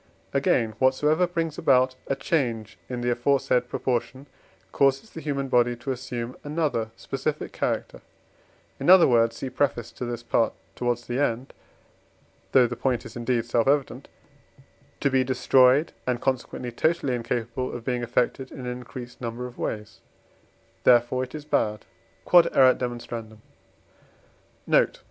Again, whatsoever brings about a change in the aforesaid proportion causes the human body to assume another specific character, in other words (see Preface to this Part towards the end, though the point is indeed self evident), to be destroyed, and consequently totally incapable of being affected in an increased numbers of ways; therefore it is bad. Q.E.D. Note.